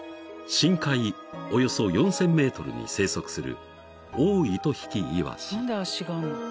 ［深海およそ４，０００ｍに生息する］